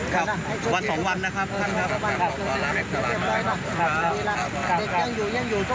ครับวัน๒วันล่ะครับท่านท่านครับ